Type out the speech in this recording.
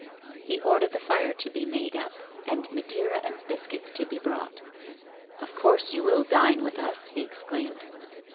He ordered the fire to be made up, and Madeira and biscuits to be brought. " Of course you will dine with us," he exclaimed.